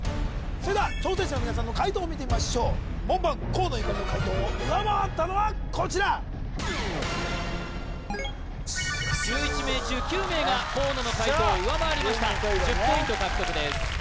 それでは挑戦者の皆さんの解答を見てみましょう門番河野ゆかりの解答を上回ったのはこちら１１名中９名が河野の解答を上回りました１０ポイント獲得です